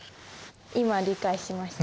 今理解しました。